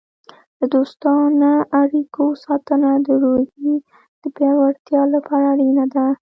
د دوستانه اړیکو ساتنه د روحیې د پیاوړتیا لپاره اړینه ده.